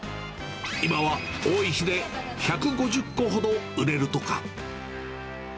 今は多い日で１５０個ほど売れるとか。